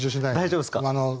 大丈夫ですか？